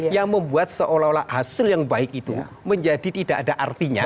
yang membuat seolah olah hasil yang baik itu menjadi tidak ada artinya